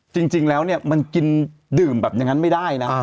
จริงแล้วเนี่ยมันกินดื่มแบบอย่างนั้นไม่ได้นะ